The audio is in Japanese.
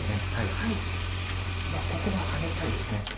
ここはハネたいです。